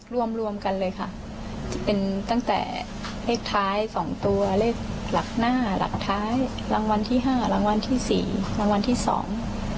รวมรวมกันเลยค่ะเป็นตั้งแต่เลขท้ายสองตัวเลขหลักหน้าหลักท้ายรางวัลที่ห้ารางวัลที่สี่รางวัลที่สอง